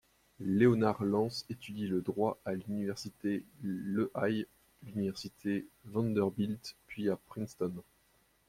Leonard Lance étudie le droit à l'université Lehigh, l'université Vanderbilt puis à Princeton.